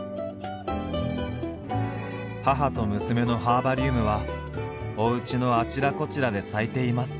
母と娘のハーバリウムはおうちのあちらこちらで咲いています。